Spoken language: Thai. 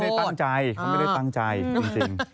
เขาไม่ได้ตั้งใจจริง